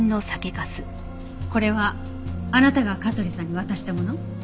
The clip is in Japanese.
これはあなたが香取さんに渡したもの？